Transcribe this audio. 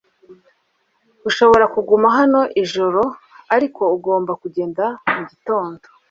urashobora kuguma hano ijoro, ariko ugomba kugenda mugitondo